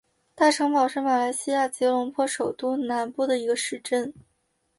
大城堡是马来西亚吉隆坡首都南部的一个市镇。